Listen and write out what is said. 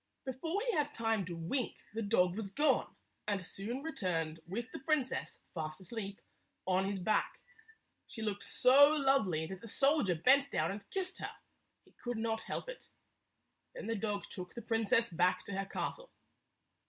Before he had time to wink, the dog was gone, and soon returned with the princess, fast asleep, on his back. She looked so lovely that the soldier bent down and kissed her. He could not help it. Then the dog took the princess back to her castle.